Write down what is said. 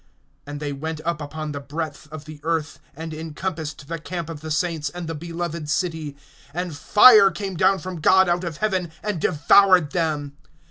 (9)And they went up upon the breadth of the earth, and encompassed the camp of the saints, and the beloved city; and fire came down from God[20:9] out of heaven, and devoured them.